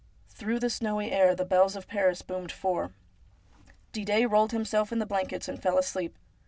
Through the snowy air the bells of Paris boomed four. Didet rolled himself in the blankets, and fell asleep.